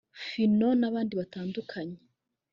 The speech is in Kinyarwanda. Phyno n’abandi batandukanye